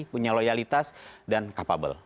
punya loyalitas dan capable